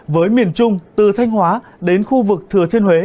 với miền trung từ thanh hóa đến khu vực thừa thiên huế